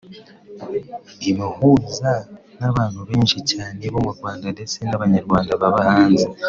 imuhuza n’ abantu benshi cyane bo mu Rwanda ndetse n’abanyarwanda baba hanze